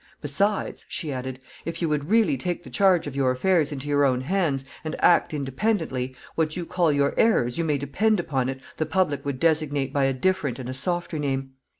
] "Besides," she added, "if you would really take the charge of your affairs into your own hands and act independently, what you call your errors you may depend upon it the public would designate by a different and a softer name.